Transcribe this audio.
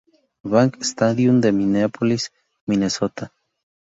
Bank Stadium de Minneapolis, Minnesota.